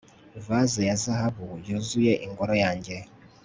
Vase ya zahabu yuzuye ingoro yanjye